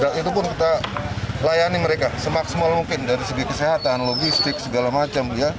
dan itu pun kita layani mereka semaksimal mungkin dari segi kesehatan logistik segala macam